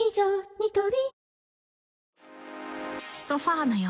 ニトリ